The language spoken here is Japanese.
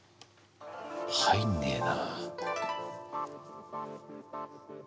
入んねえな。